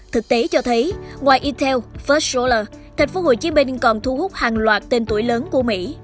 thực tế cho thấy ngoài intel first solar thành phố hồ chí minh còn thu hút hàng loạt tên tuổi lớn của mỹ